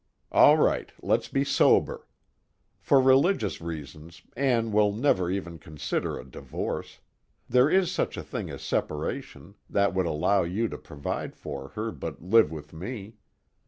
"All right, let's be sober. For religious reasons, Ann will never even consider a divorce. There is such a thing as separation, that would allow you to provide for her but live with me.